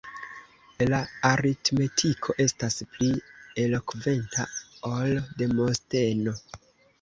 La aritmetiko estas pli elokventa ol Demosteno!